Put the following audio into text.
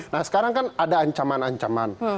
nah sekarang kan ada ancaman ancaman